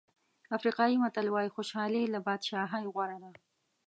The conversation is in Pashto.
افریقایي متل وایي خوشالي له بادشاهۍ غوره ده.